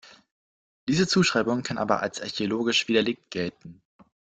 Diese Zuschreibung kann aber als archäologisch widerlegt gelten.